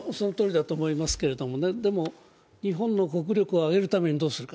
日本の国力を上げるためにどうするか。